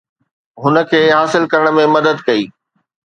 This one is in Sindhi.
هن کي حاصل ڪرڻ ۾ مدد ڪئي